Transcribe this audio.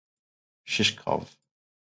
Shishkov.